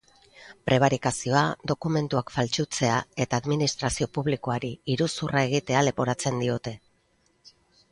Prebarikazioa, dokumentuak faltsutzea eta administrazio publikoari iruzurra egitea leporatzen diote.